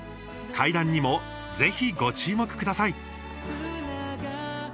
階段にも、ぜひご注目ください。